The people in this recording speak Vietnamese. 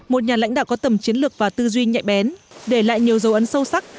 một nhà lãnh đạo có tầm chiến lược và tư duy nhạy bén để lại nhiều dấu ấn sâu sắc